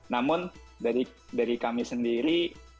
namun dari kami sendiri